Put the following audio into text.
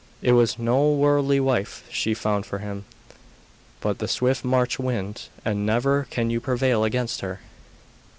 It was no worldly wife she found for him, but the swift March wind, and never can you prevail against her.